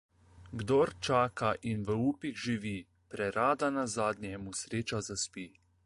Kdor čaka in v upih živi, prerada nazadnje mu sreča zaspi.